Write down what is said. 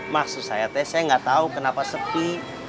maksud saya tep saya enggak tahu kenapa sepi